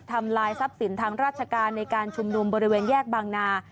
ทำลายทรัพย์สินทางราชการในการชุมนุมบริเวณแยกบางนา